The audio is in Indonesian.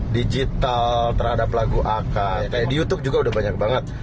di youtube juga udah banyak banget